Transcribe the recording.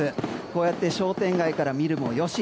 こうやって商店街から見るもよし。